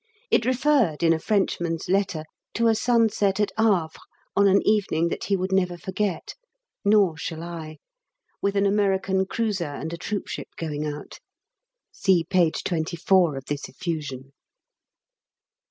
It referred, in a Frenchman's letter, to a sunset at Havre on an evening that he would never forget nor shall I with an American cruiser and a troopship going out. (See page 24 of this effusion.)